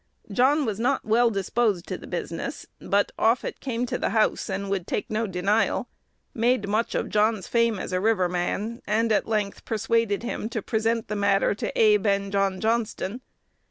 John was not well disposed to the business; but Offutt came to the house, and would take no denial; made much of John's fame as a river man, and at length persuaded him to present the matter to Abe and John Johnston.